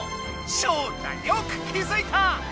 ショウタよく気づいた！